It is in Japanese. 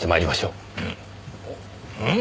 うん。